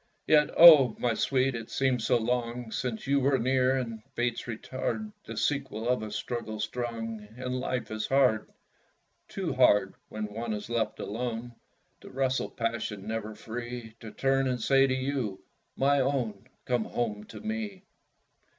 Yet, oh! my sweet, it seems so long Since you were near; and fates retard The sequel of a struggle strong, And life is hard Too hard, when one is left alone To wrestle passion, never free To turn and say to you, "My own, Come home to me!"